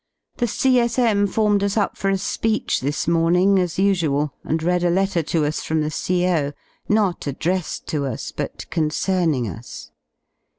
The C.S.M. formed us up for a speech this morning as usual, and read a letter to us from the CO., not addressed to us, but concerning us.